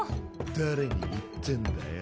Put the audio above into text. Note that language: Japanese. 誰に言ってんだよ。